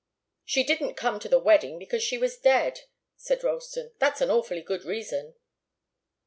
"She didn't come to the wedding because she was dead," said Ralston. "That's an awfully good reason."